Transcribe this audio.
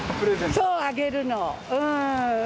そう、あげるの。